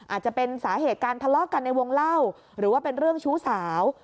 อาจจะเป็นสาเหตุการทะเลาะกันในวงเล่าหรือว่าเป็นเรื่องชู้สาว